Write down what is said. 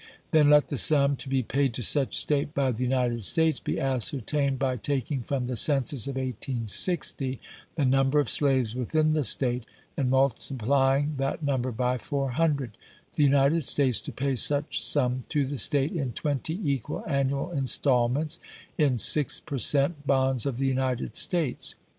Then let the sum to be paid to such State by the United States be ascertained by taking from the census of 1860 the number of slaves within the State, and multiplying that number hj 400 — the United States to pay such sum to the State in twenty equal annual instalments, in six per cent, bonds of the United States.